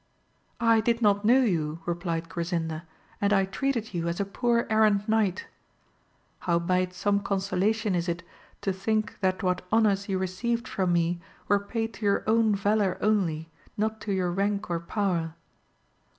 I did not know you, replied Grasinda, and I treated you as a poor errant knight ! howbeit some consolation is it to think that what honours you received from me, were paid to your own valour only, not to your rank or power.